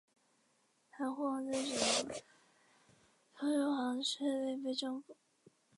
海护王之子超日王势力被征服。